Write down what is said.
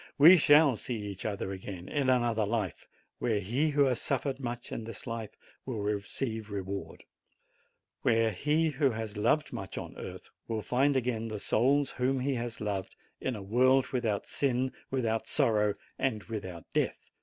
We shall see each other again in another life, where he who has suffered much in this life will receive reward; where he who has loved much on earth will find again the souls whom he has loved, in a world without sin, without sorrow, and without death.